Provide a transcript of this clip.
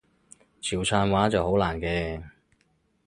潮汕話就好難嘅